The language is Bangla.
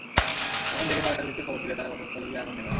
আগুন দেখে ফায়ার সার্ভিসকে খবর দিলে তারা ঘটনাস্থলে গিয়ে আগুন নেভায়।